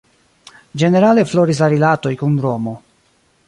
Ĝenerale floris la rilatoj kun Romo.